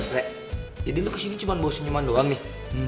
re jadi lo kesini cuma bawa senyuman doang nih